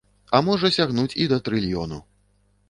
А можа сягнуць і да трыльёну.